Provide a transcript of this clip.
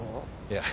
いや。